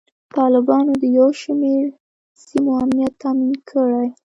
طالبانو د یو شمیر سیمو امنیت تامین کړی.